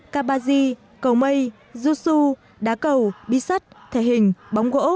kabaji cầu mây jutsu đá cầu bi sắt thể hình bóng gỗ